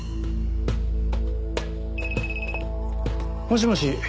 もしもし？